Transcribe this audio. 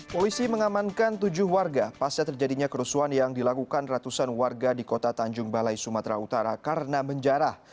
polisi mengamankan tujuh warga pasca terjadinya kerusuhan yang dilakukan ratusan warga di kota tanjung balai sumatera utara karena menjarah